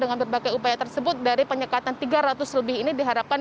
dengan berbagai upaya tersebut dari penyekatan tiga ratus lebih ini diharapkan